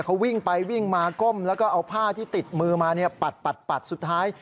เขาวิ่งไปวิ่งมาก้มแล้วก็เอาผ้าที่ติดมือมาเนี่ยปัดสุดท้าย